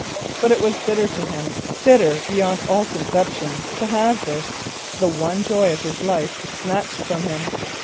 But it was bitter to him, bitter beyond all conception, to have this, the one joy of his life, snatched from him.